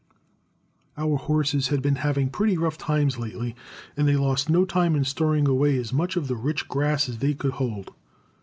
Our horses had been having pretty rough times lately, and they lost no time in storing away as much of the rich grass as they could hold.